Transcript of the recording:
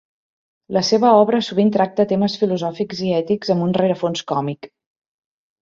La seva obra sovint tracta temes filosòfics i ètics amb un rerefons còmic.